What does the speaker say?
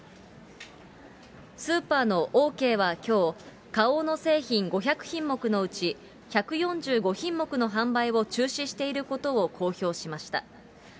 スーパーのオーケーはきょう、花王の製品５００品目のうち、１４５品目の販売を中止していることを公表しました。